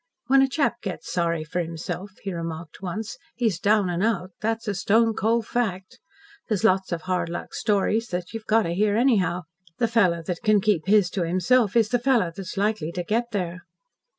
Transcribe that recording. "When a chap gets sorry for himself," he remarked once, "he's down and out. That's a stone cold fact. There's lots of hard luck stories that you've got to hear anyhow. The fellow that can keep his to himself is the fellow that's likely to get there."